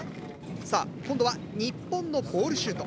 さあ今度は日本のボールシュート。